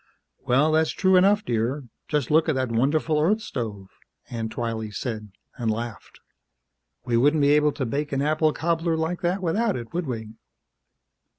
"Well, that's true enough, dear. Just look at that wonderful Earth stove," Aunt Twylee said, and laughed. "We wouldn't be able to bake an apple cobbler like that without it, would we?"